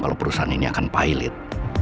kalau perusahaan ini akan pilot